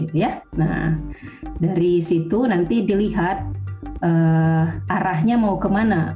nah dari situ nanti dilihat arahnya mau kemana